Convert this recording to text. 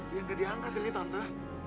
dia gak diangkat ini tante